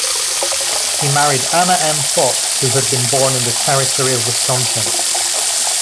He married Anna M. Fox, who had been born in the territory of Wisconsin.